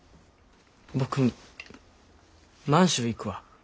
僕満州行くわ。